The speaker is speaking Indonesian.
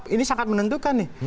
ini sangat menentukan nih